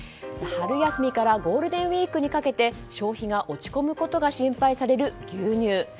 春休みからゴールデンウィークにかけて消費が落ち込むことが心配される牛乳。